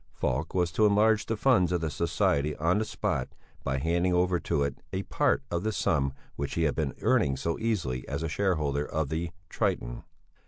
Falk was to enlarge the funds of the society on the spot by handing over to it a part of the sum which he had been earning so easily as shareholder of the "Triton."